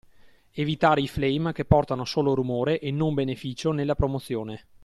Evitare i flame che portano solo rumore e non benefico nella promozione.